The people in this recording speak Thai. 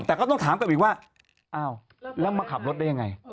แต่ก็ต้องถามกลับอีกว่าอ้าวแล้วมาขับรถได้ยังไง